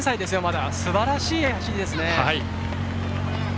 すばらしい走りですね。